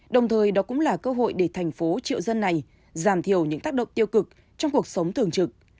đồng thời đó cũng là cơ hội để thành phố triệu dân này giảm thiểu những tác động tiêu cực trong cuộc sống thường trực